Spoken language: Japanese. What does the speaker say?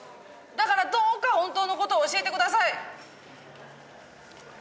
だからどうか本当の事を教えて下さい！